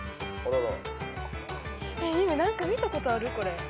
何か見たことあるこれ。